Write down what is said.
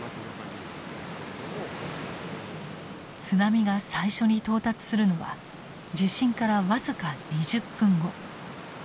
津波が最初に到達するのは地震から僅か２０分後。